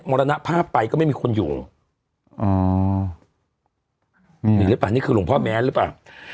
มรณภาพไปก็ไม่มีคนอยู่อ๋อนี่หรือเปล่านี่คือหลวงพ่อแม้นหรือเปล่า